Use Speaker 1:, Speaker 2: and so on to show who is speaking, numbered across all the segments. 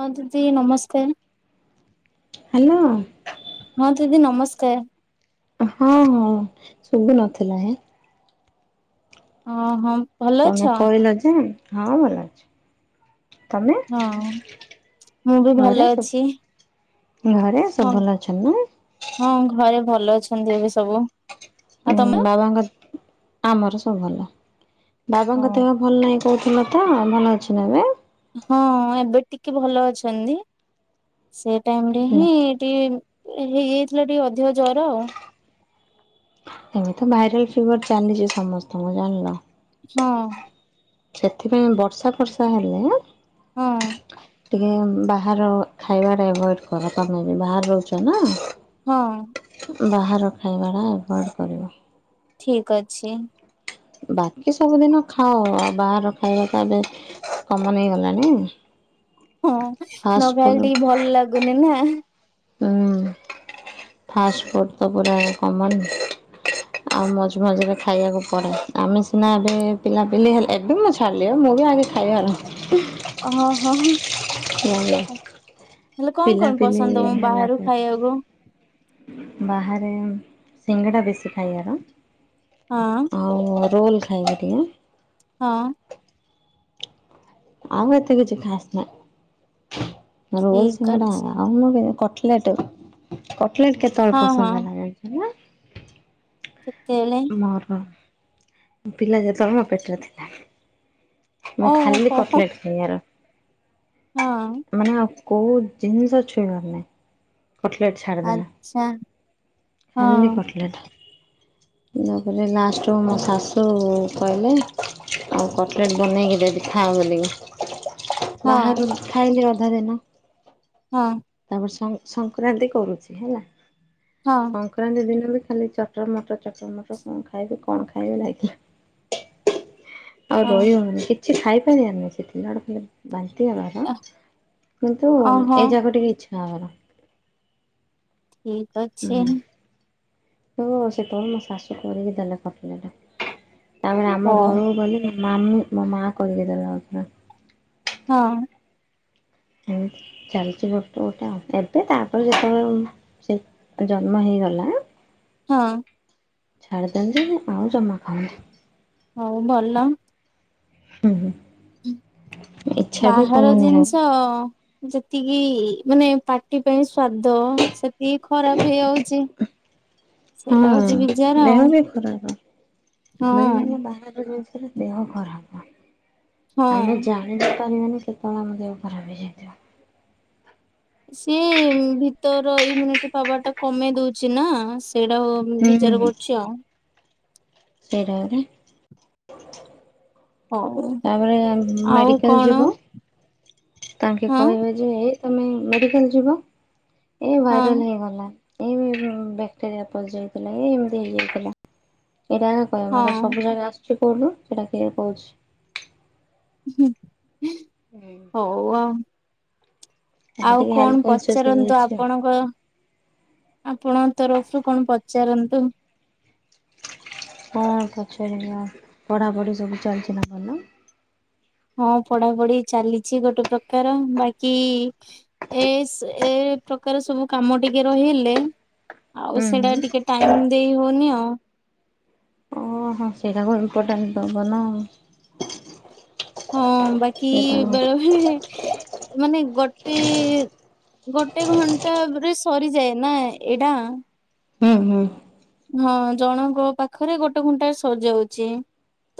Speaker 1: ହଁ ଦିଦି ନମସ୍କାର।
Speaker 2: ହାଲୋ।
Speaker 1: ହଁ ଦିଦି ନମସ୍କାର।
Speaker 2: ହଁ ହଁ ସୁବୁ ନଥିଲା ହେ।
Speaker 1: ଅଁ ହଁ। ଭଲ ଅଛ?
Speaker 2: ତମେ କହିଲ ଯେ ହଁ ଭଲ ଅଛି। ତମେ
Speaker 1: ହଁ ମୁଁ ବି
Speaker 2: ଘରେ
Speaker 1: ଭଲ ଅଛି
Speaker 2: ସବ ଘରେ
Speaker 1: ହଁ
Speaker 2: ସବୁ ଭଲ ଅଛନ୍ତି ନାଇଁ।
Speaker 1: ହଁ ଘରେ ଭଲ ଅଛନ୍ତି ଏବେ ସବୁ। ଆଉ
Speaker 2: ହୁଁ
Speaker 1: ତମେ
Speaker 2: ବାବାଙ୍କ ଆମର ସବୁ ଭଲ ବାବାଙ୍କ
Speaker 1: ହଁ
Speaker 2: ଦେହ ଭଲ ନାଇଁ। କହୁଥିଲ ତ ଭଲ ଅଛି ନା ଏବେ?
Speaker 1: ହଁ ଏବେ ଟିକେ ଭଲ ଅଛନ୍ତି ସେ ଟାଇମ ରେ
Speaker 2: ହୁଁ
Speaker 1: ହିଁ ଟିକେ ହେଇଯାଇଥିଲା ଟିକେ ଅଧିକ ଜର।
Speaker 2: ଏମିତି ଭାଇରାଲ ଫିଭର ଚାଲିଛି ସମସ୍ତଙ୍କୁ ଜାଣିଲ।
Speaker 1: ହଁ।
Speaker 2: ସେଥିପାଇଁ ବର୍ଷା ଫର୍ଷା ହେଲେ
Speaker 1: ହଁ।
Speaker 2: ଟିକେ ବାହାର ଖାଇବା ଟା ଏଭଏଡ କର ତମେ ବି ବାହରେ ରହୁଚ ନା।
Speaker 1: ହଁ।
Speaker 2: ବାହାର ଖାଇବାଟା ଆଭଏଡ଼୍ କରିବ।
Speaker 1: ଠିକ ଅଛି।
Speaker 2: ବାକି ସବୁଦିନ ଖାଅ ଆଉ ବାହାର ଖାଇବା ତ ଏବେ କମନ ହେଇଗଲାଣି।
Speaker 1: ହଁ ନ
Speaker 2: ଫାଷ୍ଟ ଫୁଡ
Speaker 1: ଖାଇଲେ ଟିକେ ଭଲ ଲାଗୁନି ନା।
Speaker 2: ହୁଁ ଫାଷ୍ଟଫୁଡ଼ ତ ପୁରା କମନ। ଆଉ ମଝି ମଝିରେ ଖାଇବାକୁ ପଡେ ଆମେ ସିନା ଏବେ ପିଲାପିଲି ହେଲେ ଏବେ ମଜ ଛାଡିଲେ ମୁଁ ବି ଆଣିକି ଖାଇବା ଆର
Speaker 1: ଓ ହୋ ହଁ ହଁ।
Speaker 2: ଆରମ୍ଭ
Speaker 1: ହେଲେ କଣ କଣ
Speaker 2: ପିଲାପିଲି
Speaker 1: ପସନ୍ଦ ତମକୁ
Speaker 2: ହେଲା
Speaker 1: ବାହାରୁ
Speaker 2: ପରେ
Speaker 1: ଖାଇଆକୁ।
Speaker 2: ବାହାରେ ସିଙ୍ଗଡ଼ା ବେଶୀ ଖାଇଆର।
Speaker 1: ହଁ।
Speaker 2: ଆଉ ରୋଲ୍ ଖାଇବି ଟିକେ।
Speaker 1: ହଁ।
Speaker 2: ଆଉ ଏତେ କିଛି ଖାସ୍ ନାଇଁ ରୋଲ
Speaker 1: ଠିକ
Speaker 2: ସିଙ୍ଗଡା
Speaker 1: ଅଛି
Speaker 2: ଆୟା ଆଉ ମୁଁ କେ କଟଲେଟ୍ କଟଲେଟ୍ କେତେବେଳେ
Speaker 1: ହଁ ହଁ
Speaker 2: ପସନ୍ଦ ହେଲା ଜାଣିଚ ନା।
Speaker 1: କେତେବେଳେ?
Speaker 2: ମୋର ପିଲା ଯେତେବେଳେ ମ ପେଟରେ ଥିଲା। ମୁଁ
Speaker 1: ଓହୋ
Speaker 2: ଖାଲି
Speaker 1: ହୋ
Speaker 2: କଟ୍ ଲେଟ୍ ଖାଇବାର।
Speaker 1: ହଁ।
Speaker 2: ମାନେ ଆଉ କଉ ଜିନିଷ ଛୁଇଁବାର ନାହିଁ। କଟ୍ ଲେଟ ଛାଡ଼ଦେଲେ
Speaker 1: ଆଚ୍ଛା ହଁ
Speaker 2: ଖାଲି କଟ୍ ଲେଟ୍। [unintelligible] କହିଲେ ଲାଷ୍ଟରୁ ମୋ ଶାଶୁ କହିଲେ ଆଉ କଟ୍ ଲେଟ୍ ବନେଇକି ଦେବି ଖା ବଲିକିି।
Speaker 1: ହଁ
Speaker 2: ବାହାରୁ ବି ଖାଇଲି ଅଧା ଦିନ।
Speaker 1: ହଁ।
Speaker 2: ତାପରେ ସଂ-ସଂକ୍ରାନ୍ତି କରୁଚି ହେଲା।
Speaker 1: ହଁ।
Speaker 2: ସଂକ୍ରାନ୍ତି ଦିନରୁ ବି ଖାଲି ଚଟର୍ ମଟର୍ ଚଟର୍ ମଟର୍ କଣ ଖାଇବି କଣ ଖାଇବି ଲାଗିଲା। ଆଉ
Speaker 1: ହଁ
Speaker 2: ରହି ହଉନି କିଛି ଖାଇପାରିବାର ନାହିଁ ସେଥିଲା ଆଡକୁ [unintelligible] ବାନ୍ତି ହେବାର କିନ୍ତୁ
Speaker 1: ଓହୋ
Speaker 2: ଏ ଜାଗ ଟିକେ ଇଚ୍ଛା [unintelligible]
Speaker 1: ଠିକ୍ ଅଛି।
Speaker 2: ହୁଁ- ସେତେବେଳେ ମୋ ଶାଶୁ କରିକି ଦେଲେ କଟ୍ ଲେଟେ ତାପରେ ଆମ
Speaker 1: ହଉ
Speaker 2: ଘରକୁ ଗଲି ମାମୁଁ -ମ ମା କହିଦେଲା [unintelligible]
Speaker 1: ହଁ।
Speaker 2: ଏମତି ଚାଲିଚି ଗୋଟେ ଗୋଟେ ଏବେ ତାପରେ ଯେତେବେଳେ ସେ ଜନ୍ମ ହେଇଗଲା
Speaker 1: ହଁ।
Speaker 2: ଛାଡ଼ି ଦିଅନ୍ତି ଆଉ ଜମା ଖାଆନ୍ତି
Speaker 1: ହଉ ଭଲ।
Speaker 2: ହୁଁ -ହୁ।
Speaker 1: ବାହାର
Speaker 2: ହଉନି ଆଉ।
Speaker 1: ଜିନିଷ ଯେତିକି ମାନେ ପାଟି ପାଇଁ ସ୍ଵାଦ ସେତିକି ଖରାପ୍ ହେଇଯାଉଚି।
Speaker 2: ହଁ
Speaker 1: ଆଉ
Speaker 2: ଦେହ ବି ଖରାପ। [unintelligible]
Speaker 1: ହଁ
Speaker 2: ନହେଲେ ବାହାର ଜିନିଷରେ ଦେହ ଖରାପ ଆମେ
Speaker 1: ହଁ
Speaker 2: ଯା [unintelligible] ସେତେବଳେ ଆମେ ଦେହ ଖରାପ୍ ହେଇଯାଇଥିବ।
Speaker 1: ସିଏ ଭିତର ଇମ୍ୟୁନିଟି ପାୱାର ଟା କମେଇ ଦଉଚି ନା ସେଇଟା ହ ଉଁ- ବିଚାର କରୁଚି ଆଉ।
Speaker 2: ସେଇଟାରେ
Speaker 1: ହଉ
Speaker 2: ତାପରେ ଆଁ
Speaker 1: ଆଉ
Speaker 2: -ମେଡ଼ିକାଲ୍
Speaker 1: କଣ
Speaker 2: ଯିବ ତାଙ୍କେ
Speaker 1: ହଁ
Speaker 2: କହିବେ ଯେ ଏଇ ତମେ ମେଡ଼ିକାଲ୍ ଯିବ ଏ ଭାଇରାଲ୍
Speaker 1: ହଁ
Speaker 2: ହେଇଗଲା। ଏ ବ୍ୟାକ୍ଟେରିଆ ପଶିଯାଇଥିଲା ଏ ଏମିତି ହେଇଯାଇଥିଲା ଏରା [unintelligible]
Speaker 1: ହଁ
Speaker 2: ସବୁଯାକ ଆସୁଚି କହୁନୁ ସେଟା କିଏ କହୁଚି।
Speaker 1: [inaudible]
Speaker 2: ହୁଁ।
Speaker 1: ହଉ ଆଉ
Speaker 2: ଏବେ
Speaker 1: -ଆଉ
Speaker 2: ଟିକେ ହେଲ୍ଥ
Speaker 1: କଣ୍
Speaker 2: କନସିୟସ୍
Speaker 1: ପଚାରନ୍ତୁ
Speaker 2: ହେଇଯାଇଛି ଆଉ।
Speaker 1: ଆପଣଙ୍କର ଆପଣଙ୍କ ତରଫରୁ କଣ୍ ପଚାରନ୍ତୁ।
Speaker 2: କଣ ପଚାରିବି ଆଉ- ପଢାପଢି ସବୁ ଚାଲିଚି ନା ନାଇଁ?
Speaker 1: ହଁ ପଢାପଢି ଚାଲିଚି ଗୋଟେ ପ୍ରକାର ବାକି ଏସ୍ -ଏ -ପ୍ରକାର ସବୁ କାମ ଟିକେ ରହିଗଲେ ଆଉ
Speaker 2: ହୁଁ
Speaker 1: ସେଇଟା
Speaker 2: ହୁଁ
Speaker 1: ଟିକେ ଟାଇମ୍ ଦେଇ ହଉନି ଆଉ।
Speaker 2: ହଁ- ହଁ ସେଇଟାକୁ ଇମ୍ପୋଟାଣ୍ଟ୍ ଦବନା ଆଉ।
Speaker 1: ହଁ ବାକି
Speaker 2: ସେଇଟାକୁ
Speaker 1: ବେଳେ ବେଳେ ମାନେ ଗୋଟେ ଗୋଟେ ଘଣ୍ଟାରେ ସରିଯାଏ ନା ଏଇଟା।
Speaker 2: ହୁଁ -ହୁଁ।
Speaker 1: ହଁ ଜଣଙ୍କ ପାଖରେ ଗୋଟେ ଘଣ୍ଟାରେ ସରିଯାଉଛି।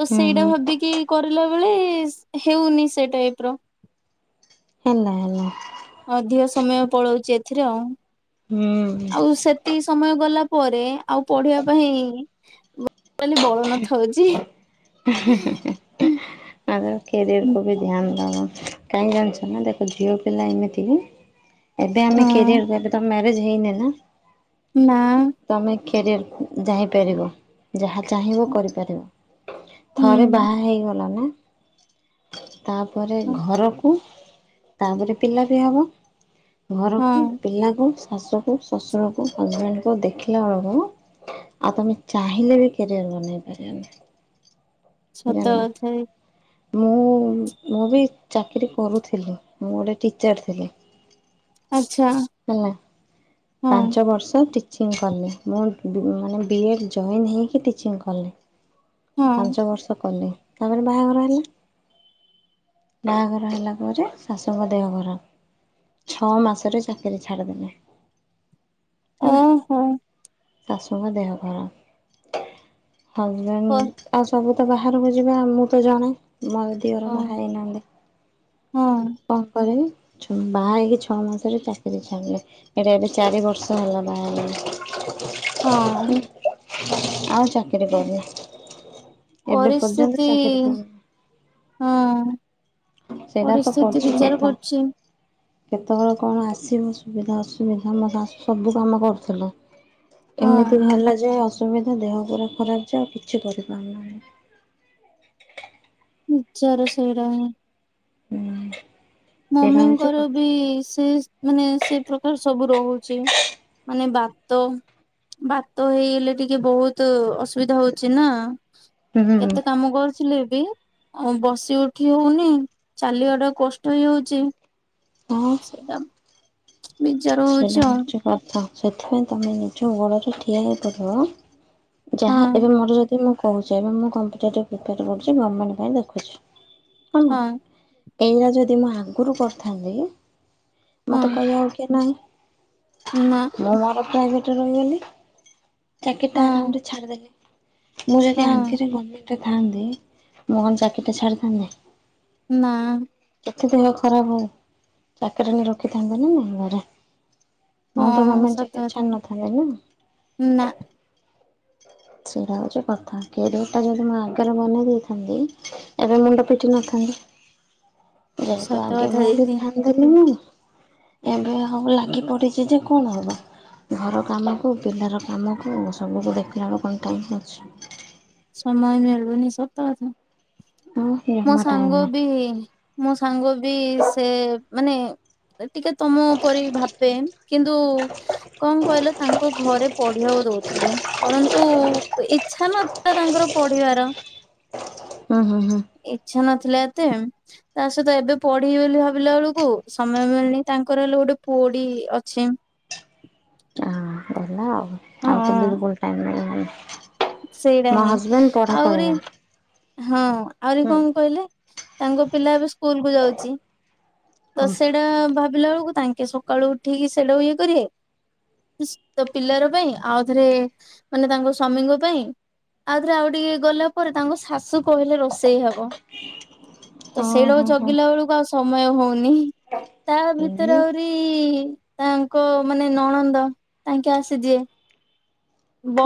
Speaker 1: ତ
Speaker 2: ହୁଁ
Speaker 1: ସେଇଟା
Speaker 2: ହୁଁ
Speaker 1: ଭାବିକି କରିଲା ବେଳେ ହେଉନି ସେ ଟାଇପ ର।
Speaker 2: ହେଲା ହେଲା।
Speaker 1: ଅଧିକ ସମୟ ପଳଉଛି ଏଥିରେ ଆଉ।
Speaker 2: ହୁଁ।
Speaker 1: ଆଉ ସେତିକ ସମୟ ଗଲା ପରେ ଆଉ ପଢିବା ପାଇଁ ଟୋଟାଲି ବଳ ନଥାଉଛି।
Speaker 2: [inaudible] ଆଗ କ୍ୟାରିୟରକୁ ବି ଧ୍ୟାନ ଦେବ। କାହିଁକି ଜାଣିଛ ନା ଦେଖ ଝିଅ ପିଲା ଏମିତିକି ଏବେ ଆମେ କ୍ୟାରିୟର
Speaker 1: ହଁ
Speaker 2: ଦେବା ଏବେ ତ ମ୍ୟାରେଜ ହେଇନି ନା।
Speaker 1: ନାଁ।
Speaker 2: ତମେ କ୍ୟାରିଅର ଯାଇପାରିବ ଯାହା ଚାହିଁବ କରିପାରିବ। ଥରେ
Speaker 1: ହୁଁ
Speaker 2: ବାହାହେଇଗଲ ନା ତାପରେ ଘରକୁ ତାପରେ ପିଲାବି ହବ
Speaker 1: ହଁ
Speaker 2: ଘରକୁ ପିଲାକୁ, ଶାଶୁକୁ ଶଶୁରକୁ, ହଜବେଣ୍ଡ କୁ ଦେଖିଲା ବେଳକୁ ଆଉ ତମେ ଚାହିଁଲେ ବି କ୍ୟାରିୟର ବନେଇ ପାରିବନି।
Speaker 1: ସତ
Speaker 2: ଜାଣିଲ
Speaker 1: କଥାବି।
Speaker 2: ମୁଁ, ମୁଁ ବି ଚାକିରୀ କରୁଥିଲି। ମୁଁ ଗୋଟିଏ ଟିଚର୍ ଥିଲି।
Speaker 1: ଆଚ୍ଛା
Speaker 2: [inaudible] ହେଲା
Speaker 1: ହଁ
Speaker 2: ପାଞ୍ଚ ବର୍ଷ ଟି। ଟିଚିଂ କଲି, ମୁଁ ମାନେ ବିଏଡ଼୍ ଜଏନ୍ ହେଇକି ଟିଚିଂ କଲି
Speaker 1: ହଁ
Speaker 2: ପାଞ୍ଚ ବର୍ଷ କଲି। ତାପରେ ବାହାଘର ହେଲା। ବାହାଘର ହେଲା ପରେ ଶାଶୁଙ୍କ ଦେହ ଖରାପ। ଛଅ ମାସରେ ଚାକିରୀ ଛାଡ଼ିଦେଲି। [unintelligible]
Speaker 1: ଓହୋ
Speaker 2: ଶାଶୁଙ୍କ ଦେହ ଖରାପ।
Speaker 1: ହଁ
Speaker 2: ହଜବେଣ୍ଡ ଆଉ ସବୁତ ବାହାରକୁ ଯିବେ, ମୁଁ ତ ଜଣେ। ଦିଅର ବାହା ହେଇନାହାନ୍ତି।
Speaker 1: ହଁ
Speaker 2: କଣ କରିବି ଛ ବାହା ହେଇକି ଛଅ ମାସରେ ଚାକିରି ଛାଡ଼ିଦେଲି। ଏଇଟା ଏବେ ଚାରି ବର୍ଷ ହେଲା ବାହାଘର।
Speaker 1: ହଁ
Speaker 2: [unintelligible] ଏବେ ପର୍ଯ୍ୟନ୍ତ
Speaker 1: ପରିସ୍ଥିତି
Speaker 2: ଚାକିରି କରିନି।
Speaker 1: ହଁ,
Speaker 2: ସେଇଟା ତ
Speaker 1: ପରିସ୍ଥିତି
Speaker 2: ପଡୁଛି
Speaker 1: ବିଚାର
Speaker 2: କଥା
Speaker 1: କରୁଛି।
Speaker 2: କେତେବେଳେ କଣ ଆସିବ ସୁବିଧା ଅସୁବିଧା ମୋ ଶାଶୁ ସବୁ କାମ କରୁଥିଲେ।
Speaker 1: ହଁ
Speaker 2: ଏମିତି ହେଲା ଯେ ଅସୁବିଧା ଦେହ ପୁରା ଖରାପଯେ ଆଉ କିଛି କରିପାରିଲିନି।
Speaker 1: ରିଚାର୍ଜ ସରିଗଲାଣି।
Speaker 2: ହୁଁ ସେଇଟା ହଉଛି
Speaker 1: ମମିଙ୍କର
Speaker 2: କଥା
Speaker 1: ବି ସେ ମାନେ ସେ ପ୍ରକାର ସବୁ ରହୁଛି ମାନେ ଭତ ବାତ ହେଇଗଲେ ଟିକେ ବହୁତ ଅସୁବିଧା ହଉଛି ନା
Speaker 2: ହୁଁ।
Speaker 1: କେତେ କାମ କରୁଥିଲେ ଏବେ, ଆଉ ବସି ଉଠି ହଉନି। ଚାଲିବା ଟା କଷ୍ଟ ହଉଛି
Speaker 2: ହଁ
Speaker 1: ସେଟା ବିଜାର
Speaker 2: ସେଇଟା ହଉଛି କଥା ସେଥିପାଇଁ ତମେ ନିଜ ଗୋଡ଼ରେ ଠିଆ ହେଇପଡିବ। ଯାହା
Speaker 1: ହଁ
Speaker 2: ଏବେ ମୋର ଯଦି ମୁଁ କହୁଛି ମୁ କ କରୁଛି ଗଣମଣ୍ଟଖଛି
Speaker 1: ହଁ।
Speaker 2: ଏଇଟା ଯଦି ମୁଁ ଆଗରୁ କରିଥାନ୍ତି ମୋତେ
Speaker 1: ହଁ
Speaker 2: କହିବାକୁ କି ନାହିଁ।
Speaker 1: ନା।
Speaker 2: ମୁଁ ମର ପ୍ରାଇଭେଟରେ ରହିଗଲି ଚାକି
Speaker 1: ହଁ
Speaker 2: ଆରାମରେ ଛାଡିଦେଲି ମୁଁ ଯଦି
Speaker 1: ହଁ
Speaker 2: ଆଗିରେଟ ଥାଆନ୍ତି ମ ଚାକିଟା ଛାଡିଥାନ୍ତି।
Speaker 1: ନା।
Speaker 2: କେତେ ଦେହ ଖରାପ ହଉ ଚାକିରିଣ ରଖିଥାନ୍ତ ନା ନା ଘରେ ମୁଁ ତ ମ
Speaker 1: ହଁ
Speaker 2: ମେ
Speaker 1: ସତ
Speaker 2: କି
Speaker 1: କଥା
Speaker 2: ଛା ନଥା ନା
Speaker 1: ନା।
Speaker 2: ସେଇଟା ହଉଛି କଥା କ୍ୟାରିଅରଟା ଯଦି ମୁଁ ଆଗରେ ବନେଇ ଦେଇଥାନ୍ତି। ଏବେ ମୁଣ୍ଡ ପିଟି ନଥାନ୍ତି ଯେହେତୁ
Speaker 1: ସତ
Speaker 2: ଆଗ
Speaker 1: କଥା ଦିଦି।
Speaker 2: ମନ୍ତି ଏବେ ଆଉ ଲାଗି ପଡିଛି ଯେ କଣ ହବ? ଘର କାମକୁ ପିଲାର କାମକୁ ସବୁକୁ ଦେଖିଲା ବେଳକୁ କଣ ଟାଇମ୍ ଅଛି?
Speaker 1: ସମୟ ମିଳୁନି ସତ କଥା
Speaker 2: ହୁଁ
Speaker 1: ମୋ
Speaker 2: ଜମା ଟାଇମ
Speaker 1: ସାଙ୍ଗ
Speaker 2: ନାହିଁ
Speaker 1: ବି ହେଇନି ମୋ ସାଙ୍ଗ ବି ସେ ମାନେ ଟିକେ ତମ ପରି ଭାବେ କିନ୍ତୁ କଣ କହିଲା ତାଙ୍କ ଘରେ ପଢିବାକୁ ଦଉଥିଲେ ପରନ୍ତୁ ଇଛା ନ ତାଙ୍କର ପଢିବାର
Speaker 2: ହୁଁ ହୁଁ ହୁଁ
Speaker 1: ଇଛା ନଥିଲା ଏତେ ତା ସହିତ ଏବେ ପଢିବି ବୋଲି ଭାବିଲା ବେଳକୁ ସମୟ ମିଳନି ତାଙ୍କର ହେଲେ ଗୋଟେ ପୁଡି ଅଛି।
Speaker 2: ହଁ ହେଲା ଆଉ ଆଉ ତ
Speaker 1: ହଁ
Speaker 2: ବିଲକୁଲ ଟାଇମ ନାହିଁ।
Speaker 1: ସେଇଟା
Speaker 2: ମୋ
Speaker 1: ହିଁ
Speaker 2: ହଜବେଣ୍ଡ ପଢା
Speaker 1: ଆହୁରି
Speaker 2: କରିବେ।
Speaker 1: ହଁ ଆହୁରି
Speaker 2: ହୁଁ
Speaker 1: କଣ କହିଲେ ତାଙ୍କ ପିଲା ଏବେ ସ୍କୁଲ କୁ ଯାଉଛି। ତ
Speaker 2: ହଁ
Speaker 1: ସେଇଟା ଭାବିଲା ବେଳକୁ ତାଙ୍କେ ସକାଳୁ ଉଠିକି ସେଇଟାକୁ ଇଏ କରିବେ। ତ ପିଲାର ପାଇଁ ଆଉଥରେ ମାନେ ତାଙ୍କ ସ୍ଵାମୀଙ୍କ ପାଇଁ ଆଉଥରେ ଆଉ ଟିକେ ଗଲା ପରେ ତାଙ୍କ ଶା ସ କହିଲେ ରୋଷେଇ ହବ ତ
Speaker 2: ହଁ
Speaker 1: ସେଇଳକୁ
Speaker 2: ହଁ
Speaker 1: ଜଗିଲା ବେଳକୁ ଆଉ ସମୟ ହଉନି। ତାହା ଭିତରେ
Speaker 2: ହଁ।
Speaker 1: ଅହୁରିି ତାଙ୍କ ମାନେ ନଣନ୍ଦ ତାଙ୍କେ ଆସିଯିଏ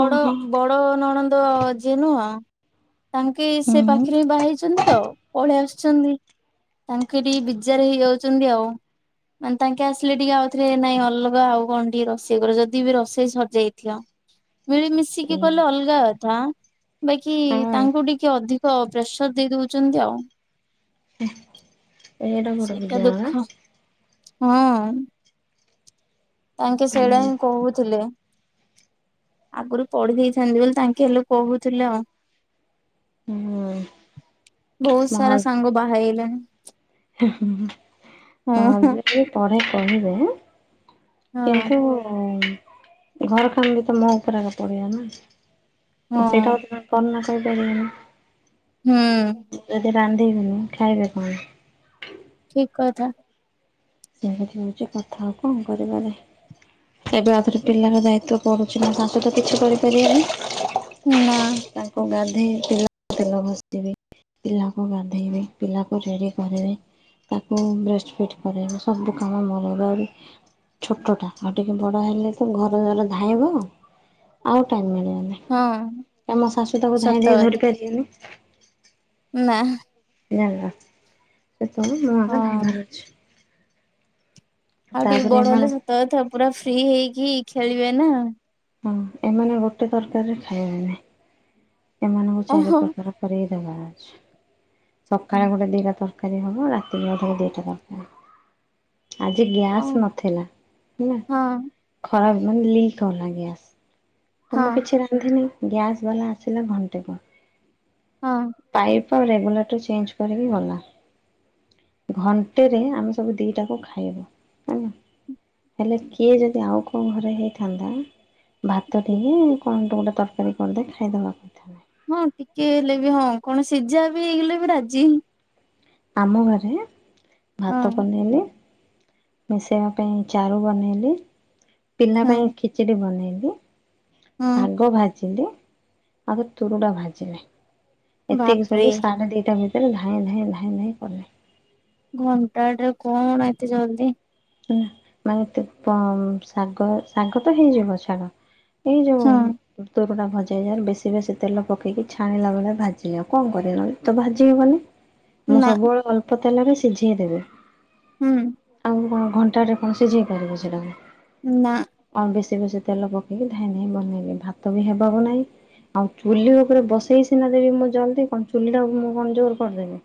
Speaker 2: ଓ ହୋ।
Speaker 1: ବଡ ନଣନ୍ଦ ଯିଏ ନୁହଁ। ତାଙ୍କେ ସେ ପାଖରେ
Speaker 2: ଏ
Speaker 1: ହିଁ ବାହାହେଇଛନ୍ତି ତ ପଳେଇ ଆସୁଛନ୍ତି। ତାଙ୍କେଠିକି ବିଜାରେ ହେଇଯାଉଛନ୍ତି ଆଉ ମାନେ ତାଙ୍କେ ଆସିଲେ ଟିକେ ଆଉଥରେ ନାଇଁ ଅଲଗା ଆଉ କଣ ଟିକେ ରୋଷେଇ କର ଯଦି ବି ରୋଷେଇ ସରିଯାଇଥିବ। ମିଳିମିଶିକି ଗଲେ ଅଲଗା କଥା ବାକି
Speaker 2: ହଁ
Speaker 1: ତାଙ୍କୁ ଟିକେ ଅଧିକ ତ୍ ପ୍ରେସର ଦେଇ ଦଉଛନ୍ତି ଆଉ
Speaker 2: ଏଇଟା ବଡ
Speaker 1: ସେଇଟା
Speaker 2: ବିଦ୍ୟାଳୟ
Speaker 1: ଦୁଃଖ ହଁ ତାଙ୍କେ
Speaker 2: ବା
Speaker 1: ସେଇଟା
Speaker 2: ହୁଁ
Speaker 1: ହିଁ କହୁଥିଲେ। ଆଗରୁ ପଢି ଦେଇଥାନ୍ତେ ବୋଲି ତାଙ୍କେ ହେଲେ କହୁଥିଲେ ଆଉ
Speaker 2: ହୁଁ
Speaker 1: ବହୁତ ସାରା ସାଙ୍ଗ ବାହା ହେଇଗଲେଣି
Speaker 2: ମା
Speaker 1: ହଁ
Speaker 2: ଯ ପରେ କରିବେ
Speaker 1: ହଁ
Speaker 2: କିନ୍ତୁ ଘର କାମ ବି ତମ ଉପରେ ପଡିବ ନା ଆଉ
Speaker 1: ହଁ
Speaker 2: ସେଇଟା ହଉ ତ କରନା କରିପାରିବନି।
Speaker 1: ହୁଁ।
Speaker 2: ଯଦି ରାନ୍ଧିବିନି ଖାଇବେ କଣ?
Speaker 1: ଠିକ କଥା।
Speaker 2: ସେମିତି ହେଉଛି କଥାଉ କଣ କରିବା ଆମେ? ଏବେ ଆଉଥରେ ପିଲାର ଦାୟିତ୍ଵ ପଢ଼ୁଛି ନା ତା ସହି ତ କିଛି କରିପାରିବେନି।
Speaker 1: ନା।
Speaker 2: ତାଙ୍କୁ ଗାଧେଇ ତିଲ ତେଲ ଘସିଦେବି। ପିଲାକୁ ଗାଧେଇବି ପିଲାକୁ ରେଡି କରିବି ତାକୁ ବ୍ରେଷ୍ଟ ଫିଟ କରେଇବି। ସବୁ କାମ ମୋର ହେଲି ଛୋଟଟା ଆଉ ଟିକେ ବଡ ହେଲେ ତ ଘର ସାରା ଧାଇଁବ ଆଉ ଟାଇମ ମିଳିବନି।
Speaker 1: ହଁ
Speaker 2: ମୋ ଶାଶୁ ତାକୁ ଧାଇଁ
Speaker 1: ସତ
Speaker 2: ଧାଇଁ
Speaker 1: କଥା
Speaker 2: ଧରି ପାରିବେନି।
Speaker 1: ନା।
Speaker 2: ଜାଣିଲା ସେତେବେଳେ ମୁ ଏକା ଧାଇ
Speaker 1: ହଁ।
Speaker 2: ଧରୁଚି।
Speaker 1: ଆଉ ଟିକେ
Speaker 2: ତାପରେ
Speaker 1: ବଡ
Speaker 2: ଏମାନେ
Speaker 1: ହେଲେ ସତ କଥା ପୁରା ଫ୍ରି ହେଇକି ଖେଳିବେ ନା?
Speaker 2: ହଁ ଏମାନେ ଗୋଟେ ତରକାରିରେ ଖାଇବେନି। ଏମାନଙ୍କୁ ଚାରି
Speaker 1: ଓହୋ।
Speaker 2: ପ୍ରକାର କରିକି ଦବାର ଅଛି ସକାଳେ ଗୋଟେ
Speaker 1: ଓ
Speaker 2: ଦିଟା ତରକାରୀ। ତରକାରୀ ହବ ରାତିରେ ଆଉ ପୁଣି ଦିଟା ତରକାରୀ ଆଜି ଗ୍ୟାସ ନଥିଲା। ହେଲା
Speaker 1: ହଁ
Speaker 2: ଖରାପ ମାନେ ଲିକ କଲା ଗ୍ୟାସ। ତ ମୁଁ
Speaker 1: ହଁ
Speaker 2: କିଛି ରାନ୍ଧିନି ଗ୍ୟାସ୍ ବାଲା ଆସିଲା ଘଣ୍ଟେ
Speaker 1: ହଁ।
Speaker 2: ପରେ ପାଇପ ଆଉ ରେଗୁଲେଟର ଚେଞ୍ଜ୍ କରିକି ଗଲା। ଘଣ୍ଟେରେ ଆମେ ସବୁ ଦିଟାକୁ ଖାଇବୁ ହେଲା। ହେଲେ କିଏ ଯଦି ଆଉ କୋଉ ଘରେ ହେଇଥାନ୍ତା ଭାତ ଟେ କି କଣ ଟେ ଗୋଟେ ତରକାରୀ କରିଦେ ଖାଇଦବା। କଥା ନାହିଁ।
Speaker 1: ହଁ ଟିକେ ହେଲେ ବି ହଁ କଣ ସିଜା ବି ହେଇଗଲେ ବି ରାଜି।
Speaker 2: ଆମ ଘରେ
Speaker 1: ହଁ
Speaker 2: ଭାତ ବନେଇଲି। ମିଶେଙ୍କ ପାଇଁ ଚାରୁ ବନେଇଲି। ପିଲା ପାଇଁ
Speaker 1: ହଁ।
Speaker 2: ଖିଚଡ଼ି ବନେଇଲି।
Speaker 1: ହଁ
Speaker 2: ଶାଗ ଭାଜିଲି ଆଉ ତୁରୁଡା ଭାଜିଲି। ଏତିକି
Speaker 1: ବାପରେ
Speaker 2: ସବୁ ସାଢେ ଦିଟା ଭିତରେ ଧାଏଁ ଧାଏଁ ଧାଏଁ ଧାଏଁ କଲି।
Speaker 1: ଘଣ୍ଟାଟେ କଣ ଏତେ ଜଲଦି।
Speaker 2: ହେଲା ମାନେ ତେପନ ଶାଗ ଶାଗ ତ ହେଇଯିବ ଛାଡ। ଏଇ ଯୋଉ
Speaker 1: ହଁ
Speaker 2: [unintelligible] ଭଜା ଯାହେଲ ବେଶି ବେଶି ତେଲ ପକେଇକି ଛାଣିଲା ବେଳେ ଭାଜିଲି ଆଉ କଣ କରିବା ନହେଲେ ତ ଭାଜି ହବନି। ମୁଁ
Speaker 1: ନା
Speaker 2: ସବୁବେଳେ ଅଳ୍ପ ତେଲରେ ସିଝେଇ ଦେବି।
Speaker 1: ହୁଁ।
Speaker 2: ଆଉ କଣ ଘଣ୍ଟାରେ କଣ ସିଝେଇ ପାରିବି ସେଟାକୁ?
Speaker 1: ନା।
Speaker 2: ଆଉ ବେଶି ବେଶି ତେଲ ପକେଇକି ଧାଇଁ ଧାଇଁ ବନେଇଲିି। ଭାତ ବି ହେବାର ନାଇଁ। ଆଉ ଚୁଲି ଉପରେ ବସେଇ ସିନା ଦେବି ମୁଁ ଜଲଦି କଣ ଚୁଲି ଟାକୁ ମୁଁ କଣ ଜୋରେ କରିଦେବି।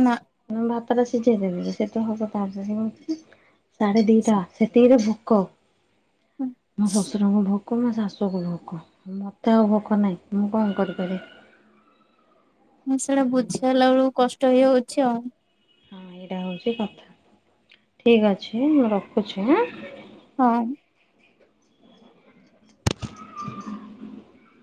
Speaker 1: ନା।
Speaker 2: ମାନେ ଭାତଟା ସିଝେଇ ଦେବି ଯେ ସେତ ହବ ତାପରେ କେମିତି ସାଢେ ଦିଟା ସେତିକିରେ ଭୋକ ମୋ ଶ୍ଵଶୁରଙ୍କୁ ଭୋକ୍ କୋ ମୋ ଶାଶୁକୁ ଭୋକ ମତେ ଆଉ ଭୋକ ନାହିଁ। ମୁଁ କଣ କରିପାରିବି?
Speaker 1: ମୁଁ ସେଇଟା
Speaker 2: ହଁ
Speaker 1: ବୁଝେଇଲା ବେଳକୁ କଷ୍ଟ ହେଇଯାଉଛି ଆଉ।
Speaker 2: ହଁ ଏଇଟା ହଉଚି କଥା। ଠିକ୍ ଅଛି ମୁଁ ରଖୁଛି ହାଁ।
Speaker 1: ହଁ।
Speaker 2: [inaudible]